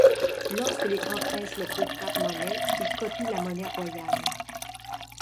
Lorsque les grands princes locaux frappent monnaie, ils copient la monnaie royale.